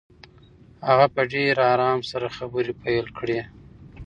هغه په ډېر آرام سره خبرې پیل کړې.